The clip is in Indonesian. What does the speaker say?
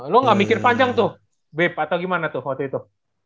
lo gak mikir panjang tuh bebe atau gimana tuh waktu itu